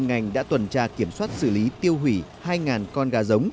ngành đã tuần tra kiểm soát xử lý tiêu hủy hai con gà giống